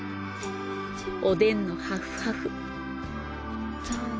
おでんのハフハフ。